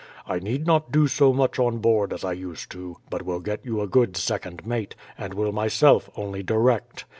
I need not do so much on board as I used to do, but will get you a good second mate, and will myself only direct.